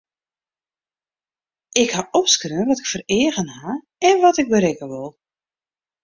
Ik haw opskreaun wat ik foar eagen haw en wat ik berikke wol.